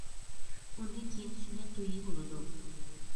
ئۇندىن كېيىن سۈننەت تويى بولىدۇ.